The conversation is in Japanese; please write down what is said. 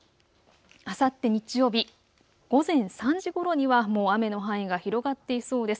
あさって日曜日、午前３時ごろにはもう雨の範囲が広がっていそうです。